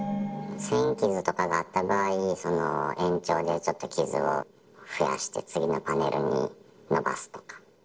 線傷とかがあった場合、延長でちょっと傷を増やして、次のパネルに伸ばすとか。